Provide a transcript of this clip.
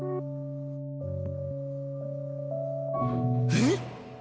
えっ！？